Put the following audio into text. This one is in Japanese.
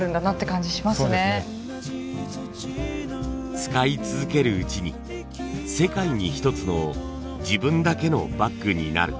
使い続けるうちに世界に一つの自分だけのバッグになる。